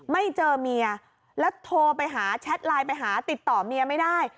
ไม่เจอเมียแล้วโทรไปหาแชทไลน์ไปหาติดต่อเมียไม่ได้